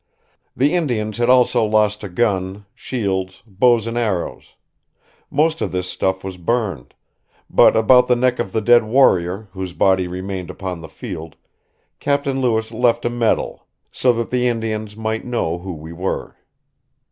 The Indians had also lost a gun, shields, bows and arrows. Most of this stuff was burned; but about the neck of the dead warrior, whose body remained upon the field, Captain Lewis left a medal, "so that the Indians might know who we were."